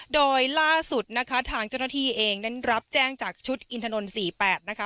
โดยล่าสุดนะคะทางเจ้าหน้าที่เองนั้นรับแจ้งจากชุดอินทนนท์๔๘นะคะ